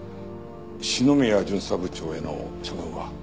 篠宮巡査部長への処分は？